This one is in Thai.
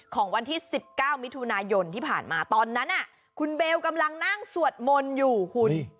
ของวันที่๑๙มิถุนายนที่ผ่านมาตอนนั้นคุณเบลกำลังนั่งสวดมนต์อยู่คุณ